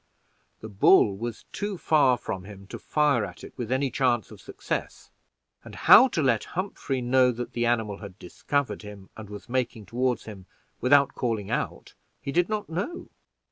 The bull was too far from him to fire at it with any chance of success; and how to let Humphrey know that the animal had discovered him and was making toward him, without calling out, he did not know.